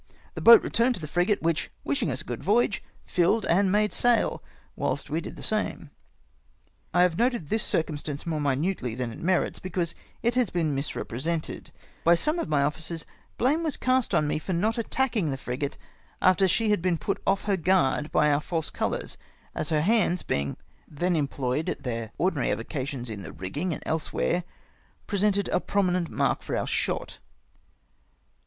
The boat returned to the frigate, which, wishing us a good voyage, filled, and made sail, whilst we did the same. I have noted this circumstance more minutely than it merits, because it has been misrepresented. By some H 3 102 OUR CRUISE RENEWED. of my officers blame was cast on mc for not attacking tlie frigate after she had been put off lier guard by our false colours, as her hands — being then employed at their ordinary av()cati(nis in the rigging and elsewhere — presented a prominent mark for our shot.